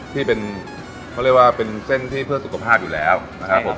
ที่เป็นเขาเรียกว่าเป็นเส้นที่เพื่อสุขภาพอยู่แล้วนะครับผม